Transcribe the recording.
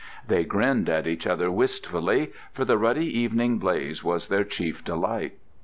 They grinned at each other wistfully, for the ruddy evening blaze was their chief delight.